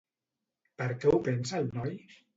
Per què ho pensa el noi?